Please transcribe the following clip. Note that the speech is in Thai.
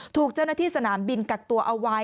ถูกเจ้าหน้าที่สนามบินกักตัวเอาไว้